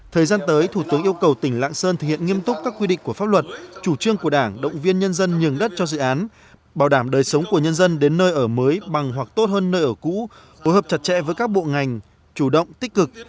thời gian tới thủ tướng yêu cầu tỉnh lạng sơn thực hiện nghiêm túc các quy định của pháp luật chủ trương của đảng động viên nhân dân nhường đất cho dự án bảo đảm đời sống của nhân dân đến nơi ở mới bằng hoặc tốt hơn nơi ở cũ phối hợp chặt chẽ với các bộ ngành chủ động tích cực